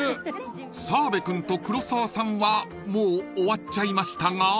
［澤部君と黒沢さんはもう終わっちゃいましたが］